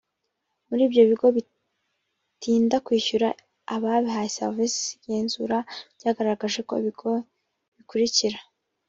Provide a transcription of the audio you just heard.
muri ibyo bigo bitinda kwishyura ababihaye serivisi igenzura ryagaragaje ko ibigo bikurikira